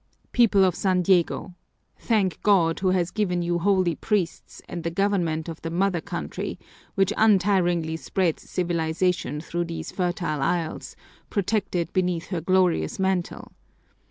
"People of San Diego! Thank God, who has given you holy priests, and the government of the mother country, which untiringly spreads civilization through these fertile isles, protected beneath her glorious mantle!